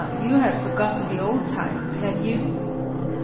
You have forgotten the old times, have you?